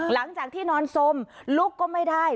หลังจากที่นอนสมลุกก็ไม่ได้